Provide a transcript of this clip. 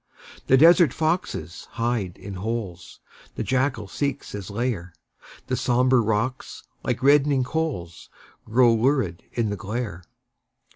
The desert foxes hide in holes, The jackal seeks his lair; The sombre rocks, like reddening coals, Glow lurid in the glare.